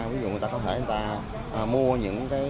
ví dụ người ta có thể mua những lợi